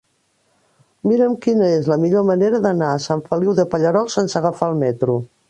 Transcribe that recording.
Mira'm quina és la millor manera d'anar a Sant Feliu de Pallerols sense agafar el metro.